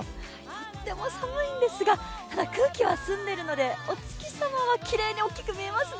とっても寒いんですが空気は澄んでいるのでお月様はきれいに大きく見えますね。